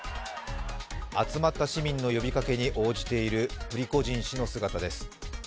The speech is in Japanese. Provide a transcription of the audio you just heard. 集まった市民の呼びかけに応じているプリゴジン氏の姿です。